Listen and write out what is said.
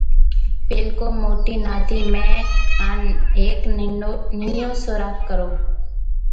پيلڪو موٽِي نادِي ۾ ھيَََڪ ننڊو سوراخ ڪرو